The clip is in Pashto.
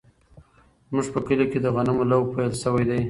زموږ په کلي کې د غنمو لو پیل شوی دی.